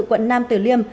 quận nam từ liêm